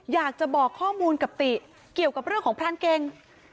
อยากจะบอกข้อมูลกับติเกี่ยวกับเรื่องของพรานเก่ง